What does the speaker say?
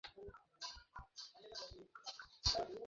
দেখো, এগুলো নিয়ে কি পরে কথা বলা যায় না?